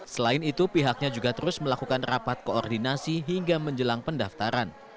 selain itu pihaknya juga terus melakukan rapat koordinasi hingga menjelang pendaftaran